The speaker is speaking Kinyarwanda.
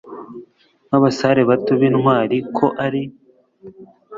nka basare bato b'intwari ko ari